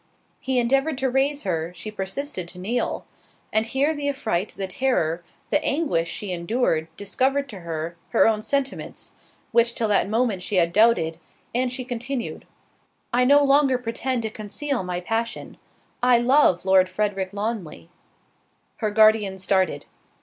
He endeavoured to raise her, she persisted to kneel—and here the affright, the terror, the anguish, she endured, discovered to her, her own sentiments—which, till that moment, she had doubted—and she continued, "I no longer pretend to conceal my passion—I love Lord Frederick Lawnly." Her guardian started.